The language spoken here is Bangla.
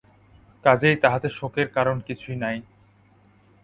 কাজেই তাহাতে শোকের কারণ কিছুই নাই।